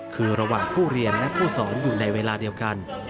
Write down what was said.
คือระหว่างผู้เรียนและผู้สอนอยู่ในเวลาเดียวกัน